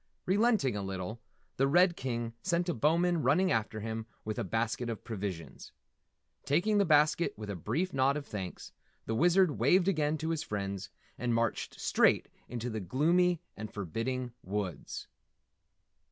Relenting a little, the Red King sent a Bowman running after him with a basket of provisions. Taking the basket with a brief nod of thanks, the Wizard waved again to his friends and marched straight into the gloomy and forbidding woods.